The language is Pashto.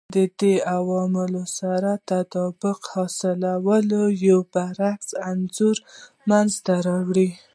دې عواملو سره تطابق حاصلولو یو برعکس انځور منځته راوړي